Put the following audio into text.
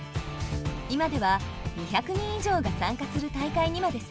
今では２００人以上が参加する大会にまで成長。